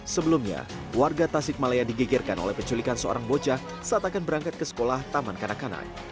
sebelumnya warga tasik malaya digegerkan oleh penculikan seorang bocah saat akan berangkat ke sekolah taman kanak kanak